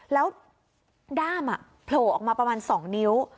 แล้วด้ามโผล่ออกมาประมาณ๒นิ้ว